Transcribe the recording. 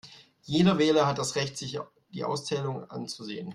Jeder Wähler hat das Recht, sich die Auszählung anzusehen.